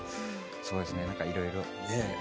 そうですね、いろいろと。